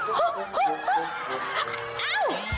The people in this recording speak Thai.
อ้าว